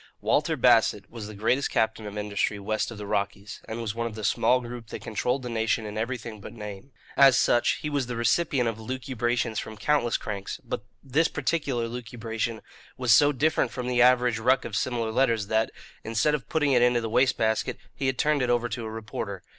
Walter Bassett was the greatest captain of industry west of the Rockies, and was one of the small group that controlled the nation in everything but name. As such, he was the recipient of lucubrations from countless cranks; but this particular lucubration was so different from the average ruck of similar letters that, instead of putting it into the waste basket, he had turned it over to a reporter.